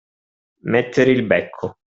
Mettere il becco.